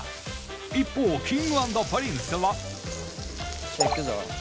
一方Ｋｉｎｇ＆Ｐｒｉｎｃｅはいくぞ。